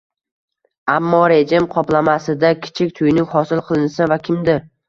Ammo rejim qoplamasida kichik tuynuk hosil qilinsa va kimdir